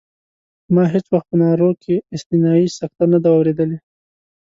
ما هېڅ وخت په نارو کې استثنایي سکته نه ده اورېدلې.